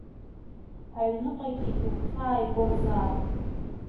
Аҩныҟагьы игәхьааигозаап.